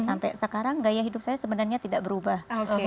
sampai sekarang gaya hidup saya sebenarnya tidak berubah